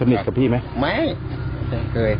มีไฟสูง๙๙